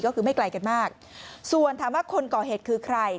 ก็คือไม่ไกลกันมากส่วนถามว่าคนก่อเหตุคือใคร